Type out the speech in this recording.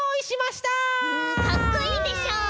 かっこいいでしょ？